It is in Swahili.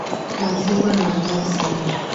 Machungwa ni tamu sana.